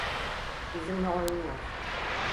Bizimle oynuyor.